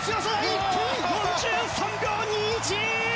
１分４３秒２１！